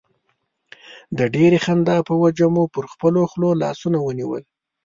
د ډېرې خندا په وجه مو پر خپلو خولو لاسونه ونیول.